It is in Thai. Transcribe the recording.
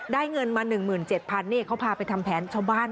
เงินมา๑๗๐๐นี่เขาพาไปทำแผนชาวบ้าน